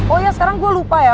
oh ya sekarang gue lupa ya